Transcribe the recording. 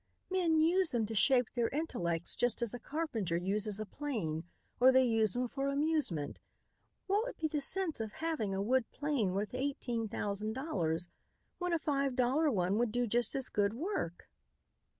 Men use them to shape their intellects just as a carpenter uses a plane, or they use them for amusement. What would be the sense of having a wood plane worth eighteen thousand dollars when a five dollar one would do just as good work?"